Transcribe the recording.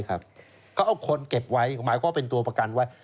เขาเอาคนเก็บไว้หมายความเป็นตัวประกันไว้